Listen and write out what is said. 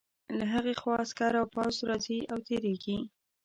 له هغې خوا عسکر او پوځ راځي او تېرېږي.